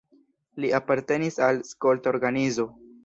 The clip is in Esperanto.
Li apartenis al skolta organizo.